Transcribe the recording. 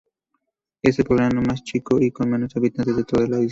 Es el poblado más chico y con menos habitantes de toda la isla.